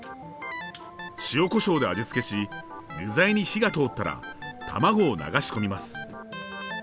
塩コショウで味付けし具材に火が通ったら卵を流し込みます。